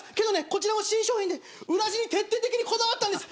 こちらも新商品で裏地に徹底的にこだわったんです。